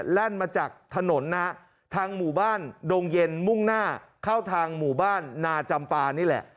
แล่นมาจากถนนนะฮะทางหมู่บ้านดงเย็นมุ่งหน้าเข้าทางหมู่บ้านนาจำปานี่แหละ